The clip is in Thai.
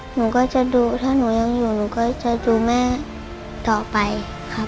หนูก็จะดูถ้าหนูยังอยู่หนูก็จะดูแม่ต่อไปครับ